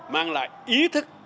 mang lại ý thức